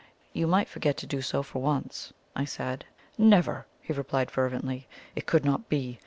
"You might forget to do so for once," I said. "Never!" he replied fervently. "It could not be.